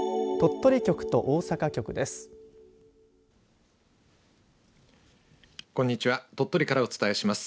鳥取局と大阪局です。